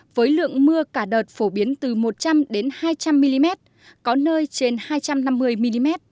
với lượng mưa cả đợt phổ biến từ một trăm linh hai trăm linh mm có nơi trên hai trăm năm mươi mm